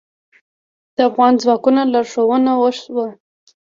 د افغان ځواکونو لارښوونه وشوه.